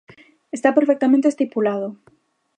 Está perfectamente estipulado.